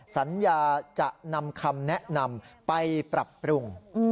สัญญาจะนำคำแนะนำไปปรับปรุง